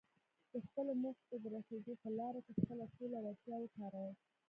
چې خپلې موخې ته د رسېدو په لاره کې خپله ټوله وړتيا وکاروم.